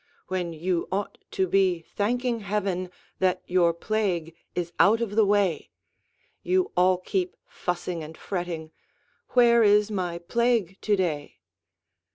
When you ought to be thanking Heaven That your plague is out of the way, You all keep fussing and fretting "Where is my Plague to day?"